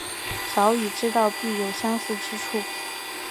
早已知道必有相似之处